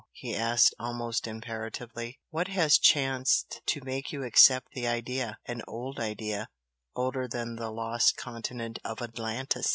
he asked, almost imperatively "What has chanced to make you accept the idea an old idea, older than the lost continent of Atlantis!